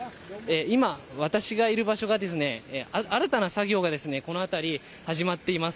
今、私がいる場所で新たな作業がこの辺り、始まっています。